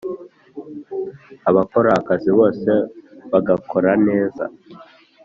Abakora akazi bose bagakora neza.